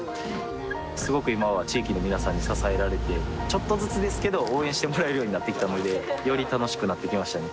すごく今は地域の皆さんに支えられてちょっとずつですけど応援してもらえるようになってきたのでより楽しくなってきましたね